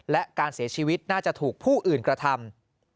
และการเสียชีวิตน่าจะถูกผู้อื่นกระทำ